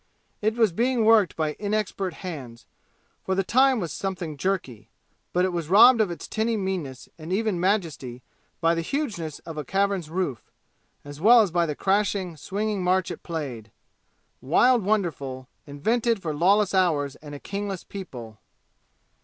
It was being worked by inexpert hands, for the time was something jerky; but it was robbed of its tinny meanness and even lent majesty by the hugeness of a cavern's roof, as well as by the crashing, swinging march it played wild wonderful invented for lawless hours and a kingless people.